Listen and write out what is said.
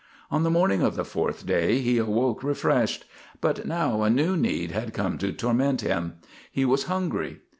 On the morning of the fourth day he awoke refreshed. But now a new need had come to torment him. He was hungry.